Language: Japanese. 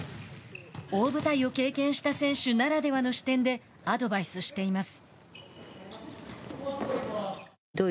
大舞台を経験した選手ならではの視点でアドバイスしています。